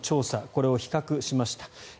これを比較しました。